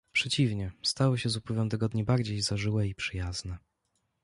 "Przeciwnie, stały się z upływem tygodni bardziej zażyłe i przyjazne."